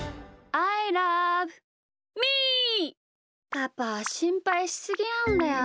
パパしんぱいしすぎなんだよ。